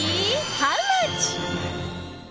ハウマッチ。